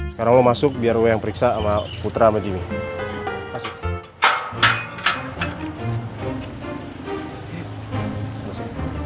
sekarang lo masuk biar lo yang periksa sama putra sama jimmy